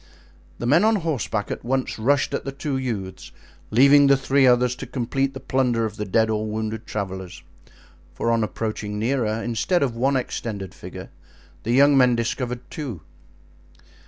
The men on horseback at once rushed at the two youths, leaving the three others to complete the plunder of the dead or wounded travelers; for on approaching nearer, instead of one extended figure, the young men discovered two.